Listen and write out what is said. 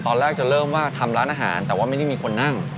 ตอนแรกจะเริ่มว่าทำร้านอาหารแต่ว่าไม่ได้มีคนนั่ง